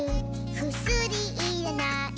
「くすりいらない」